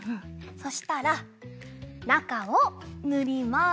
そしたらなかをぬります！